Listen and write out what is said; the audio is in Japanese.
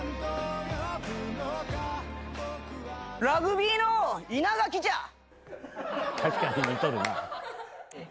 ラグビーの稲垣じゃ。